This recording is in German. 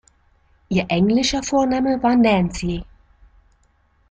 Ihr englischer Vorname war Nancy.